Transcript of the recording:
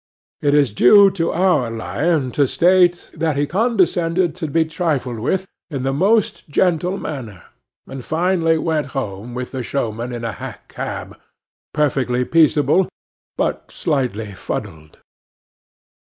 It is due to our lion to state, that he condescended to be trifled with, in the most gentle manner, and finally went home with the showman in a hack cab: perfectly peaceable, but slightly fuddled.